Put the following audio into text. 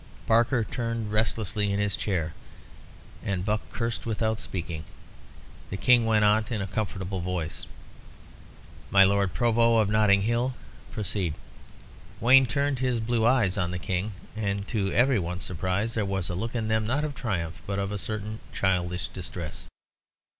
Barker turned restlessly in his chair, and Buck cursed without speaking. The King went on in a comfortable voice "My Lord Provost of Notting Hill, proceed." Wayne turned his blue eyes on the King, and to every one's surprise there was a look in them not of triumph, but of a certain childish distress.